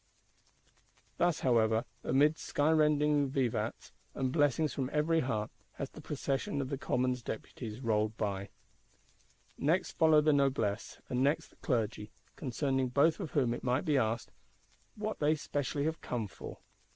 Thus, however, amid skyrending vivats, and blessings from every heart, has the Procession of the Commons Deputies rolled by. Next follow the Noblesse, and next the Clergy; concerning both of whom it might be asked, What they specially have come for?